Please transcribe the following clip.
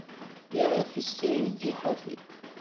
Yeɛfes tirgit ḥafi.